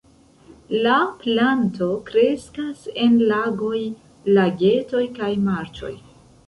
La planto kreskas en lagoj, lagetoj kaj marĉoj.